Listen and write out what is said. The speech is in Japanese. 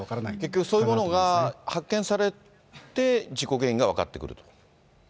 結局そういうものが発見されて、事故原因が分かってくると？